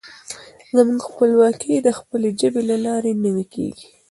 زموږ خپلواکي د خپلې ژبې له لارې نوي کېږي.